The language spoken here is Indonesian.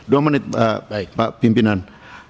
dua menit pak pimpinan